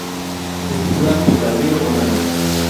Se sitúa junto al río Ródano.